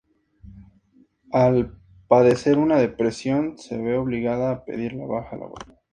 Al padecer una depresión se ve obligada a pedir la baja laboral.